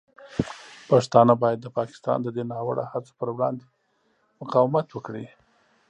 پښتانه باید د پاکستان د دې ناوړه هڅو پر وړاندې مقاومت وکړي.